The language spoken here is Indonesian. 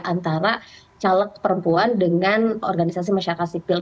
antara caleg perempuan dengan organisasi masyarakat sipil